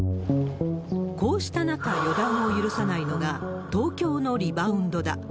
こうした中、予断を許さないのが、東京のリバウンドだ。